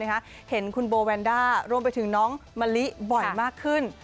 เห็นคุณโบแวนด้ารวมไปถึงน้องมะลิบ่อยมากขึ้น